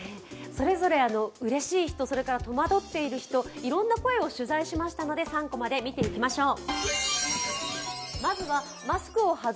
それぞれ、うれしい人、戸惑っている人、いろんな声を取材しましたので３コマで見ていきましょう。